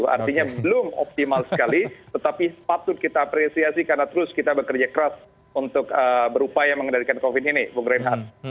artinya belum optimal sekali tetapi patut kita apresiasi karena terus kita bekerja keras untuk berupaya mengendalikan covid ini bung reinhardt